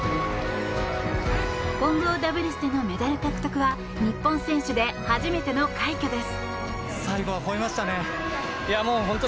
混合ダブルスでのメダル獲得は日本選手で初めての快挙です。